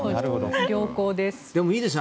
良好です。